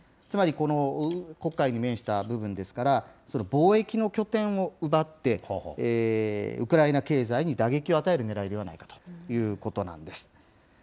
つまりこの黒海に面した部分ですから、貿易の拠点を奪って、ウクライナ経済に打撃を与えるねらいではないかということなんです。